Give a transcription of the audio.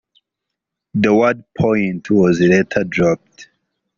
The word "Point" was later dropped.